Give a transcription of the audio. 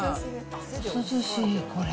涼しい、これ。